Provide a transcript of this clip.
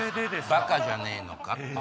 バカじゃねえのか⁉